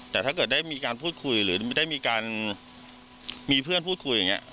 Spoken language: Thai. แต่ถ้าเกิดได้มีการพูดคุยหรือได้มีการมีเพื่อนพูดคุยอย่างนี้